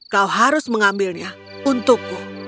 kau harus mengambilnya untukku